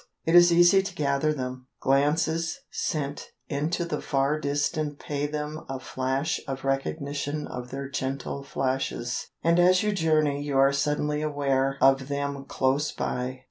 It is easy to gather them. Glances sent into the far distance pay them a flash of recognition of their gentle flashes; and as you journey you are suddenly aware of them close by.